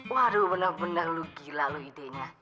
waduh bener bener lu gila lu idenya